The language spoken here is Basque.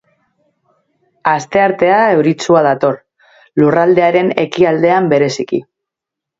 Asteartea euritsua dator, lurraldearen ekialdean bereziki.